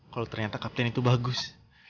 kalau ternyata kapten itu bagus